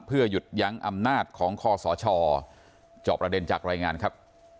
เพื่อหยุดยั้งอำนาจของคอสชจอบประเด็นจากรายงานครับ